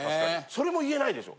それも言えないでしょ。